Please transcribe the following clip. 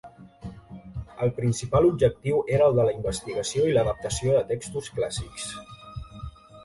El principal objectiu era el de la investigació i l’adaptació de textos clàssics.